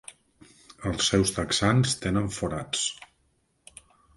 Els seus texans tenen forats.